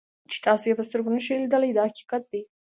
چې تاسو یې په سترګو نشئ لیدلی دا حقیقت دی.